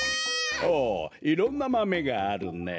ほういろんなマメがあるねえ。